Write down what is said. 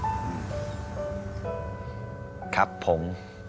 ครับผม